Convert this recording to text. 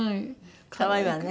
可愛いわね。